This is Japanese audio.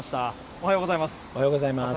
おはようございます。